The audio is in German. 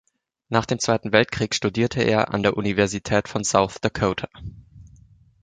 Nach dem Zweiten Weltkrieg studierte er an der Universität von South Dakota.